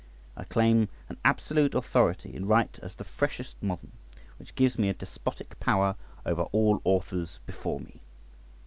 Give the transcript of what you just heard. I claim an absolute authority in right as the freshest modern, which gives me a despotic power over all authors before me.